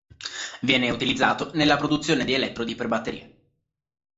Viene utilizzato nella produzione di elettrodi per batterie.